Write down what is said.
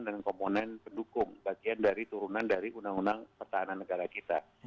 dan komponen pendukung bagian dari turunan dari undang undang pertahanan negara kita